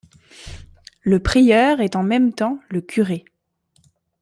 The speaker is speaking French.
Le prieur est en même temps le curé.